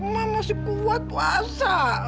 ma masih kuat puasa